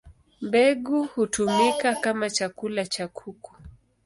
Mbegu hutumika kama chakula cha kuku.